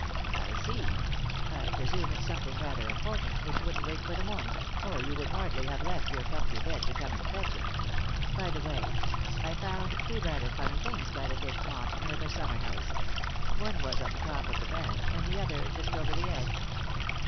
" I see — I presume it's something rather important, which wouldn't wait for the morning, or you would hardly have left your comfy bed to come and fetch it By the way, I found two rather funny things by the fishpond, near the summer house ; one was on the top of the bank, and the other just over the edge.